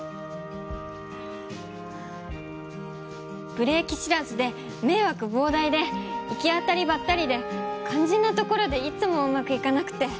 ブレーキ知らずで迷惑膨大で行き当たりばったりで肝心なところでいつもうまくいかなくて。